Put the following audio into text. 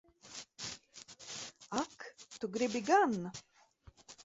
Ak tu gribi gan!